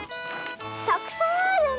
たくさんあるね